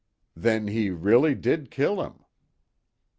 "Then he really did kill him."